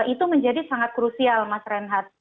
itu menjadi sangat krusial mas reinhardt